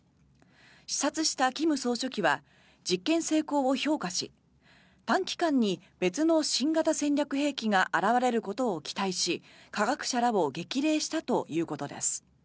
視察した金総書記は実験成功を評価し短期間に別の新型戦略兵器が現れることを期待し科学者らを激励したということです。